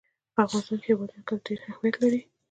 په افغانستان کې د هېواد مرکز ډېر اهمیت لري.